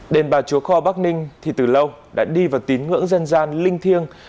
đền bà chúa kho bắc ninh thì từ lâu đã đi vào tín ngưỡng dân gian linh thiêng